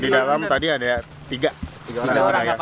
di dalam tadi ada tiga orang